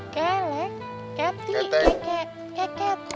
kelek keti keket